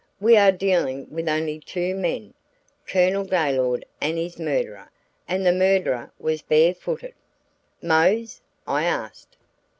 We are dealing with only two men Colonel Gaylord and his murderer; and the murderer was bare footed." "Mose?" I asked.